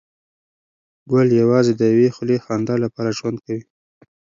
ګل یوازې د یوې خولې خندا لپاره ژوند کوي.